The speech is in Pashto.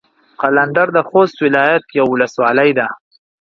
قلندر د خوست ولايت يوه ولسوالي ده.